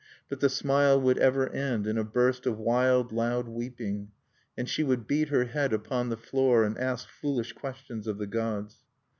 But the smile would ever end in a burst of wild, loud weeping; and she would beat her head upon the floor, and ask foolish questions of the gods.